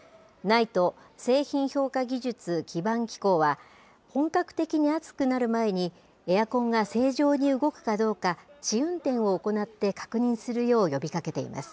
ＮＩＴＥ・製品評価技術基盤機構は、本格的に暑くなる前に、エアコンが正常に動くかどうか、試運転を行って確認するよう呼びかけています。